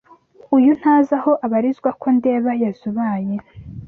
Uyu Ntazi aho abarizwa ko ndeba yazubaye